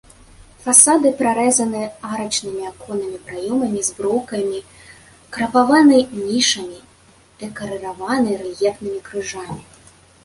Фасады прарэзаны арачнымі аконнымі праёмамі з броўкамі, крапаваны нішамі, дэкарыраваны рэльефнымі крыжамі.